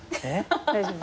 大丈夫？